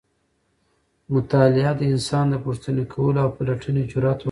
مطالعه انسان ته د پوښتنې کولو او پلټنې جرئت ورکوي.